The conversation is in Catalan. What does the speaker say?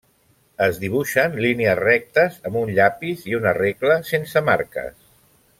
Es dibuixen línies rectes amb un llapis i una regla sense marques.